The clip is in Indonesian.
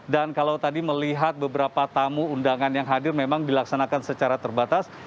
dan kalau tadi melihat beberapa tamu undangan yang hadir memang dilaksanakan secara terbatas